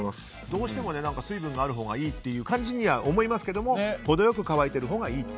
どうしても水分があるほうがいいっていう感じには思いますけど程良く乾いているほうがいいと。